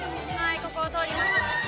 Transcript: ここを通ります。